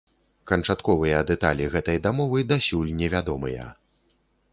Канчатковыя дэталі гэтай дамовы дасюль не вядомыя.